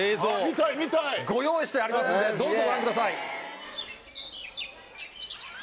見たい見たい。ご用意してありますんでどうぞご覧ください。